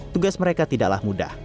tugas mereka tidaklah mudah